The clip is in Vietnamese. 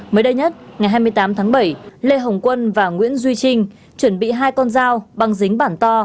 mới đây nhất ngày hai mươi tám tháng bảy lê hồng quân và nguyễn duy trinh chuẩn bị hai con dao bằng dính bản to